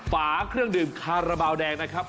ฝาเครื่องดื่มคาราบาลแดงนะครับ